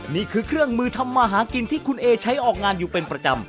นี่คือเครื่องมือทำมาหากินที่คุณเอใช้ออกงานอยู่เป็นประจำ